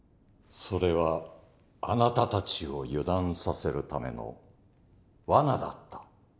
それはあなたたちを油断させるためのワナだった？